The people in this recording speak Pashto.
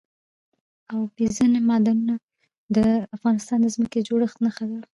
اوبزین معدنونه د افغانستان د ځمکې د جوړښت نښه ده.